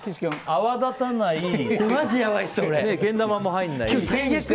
泡立たない、けん玉も入らない。